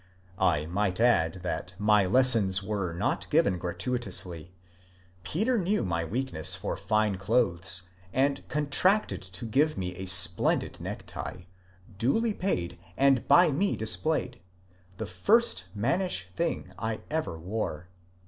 I must add that my lessons were not given gra tuitously: Peter knew my weakness for fine clothes and contracted to give me a splendid necktie, duly paid and by me displayed — the first mannish thing I ever wore.